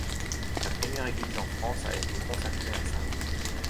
C’est la première église en France à être consacrée à saint Louis.